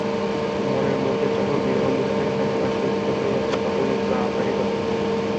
মনের মধ্যে যখন বিরহমিলনের বেদনা সঞ্চিত হইয়া আছে, তখন একটু আভাসই যথেষ্ট।